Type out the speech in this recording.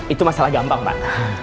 itu masalah gampang pak